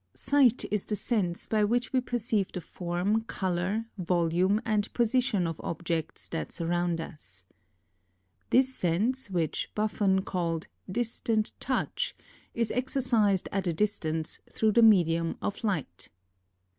Sight is the sense by which we perceive the form, colour, volume, and position of objects that surround us. 2. This sense, which Buffon called " distant touch," is exer cised at a distance, through the medium of light.